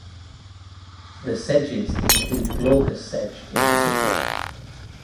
The sedges include glaucous sedge in particular.